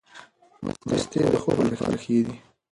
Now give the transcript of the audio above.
مستې د خوب لپاره ښې دي.